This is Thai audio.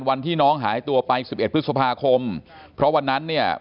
วันที่น้องหายตัวไปสิบเอ็ดพฤษภาคมเพราะวันนั้นเนี่ย